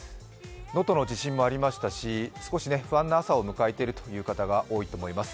能登の地震もありましたし少し不安な朝を迎えているという方も多いと思います。